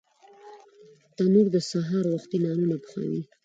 تنور د سهار وختي نانونه پخوي